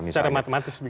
secara matematis begitu ya